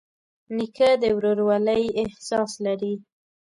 نیکه د ورورولۍ احساس لري.